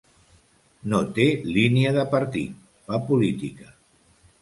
No té línia de partit, fa política.